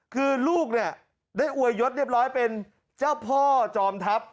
คือลูกเนี่ยได้อวยยศเรียบร้อยเป็นเจ้าพ่อจอมทัพ